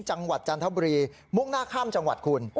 จันทบุรีมุ่งหน้าข้ามจังหวัดคุณ